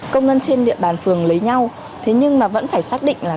công nhân trên địa bàn phường lấy nhau thế nhưng mà vẫn phải xác định là